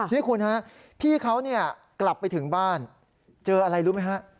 นี่คุณฮะพี่เขาเนี่ยกลับไปถึงบ้านเจออะไรรู้ไหมฮะ